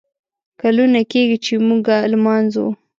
کلونه کیږي ، چې موږه لمانځو